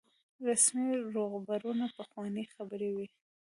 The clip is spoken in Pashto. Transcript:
رسمي روغبړونه پخوانۍ خبرې وي.